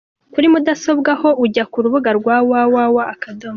Kuri mudasobwa ho, ujya ku rubuga rwa www.